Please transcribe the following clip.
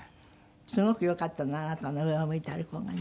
すごくよかったのあなたの『上を向いて歩こう』がね。